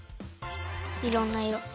いろんないろ。